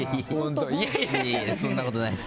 いやいやそんなことないです。